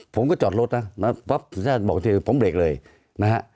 ผมก็จอดรถนะปั๊บสุชาติบอกทีผมเบรกเลยนะฮะ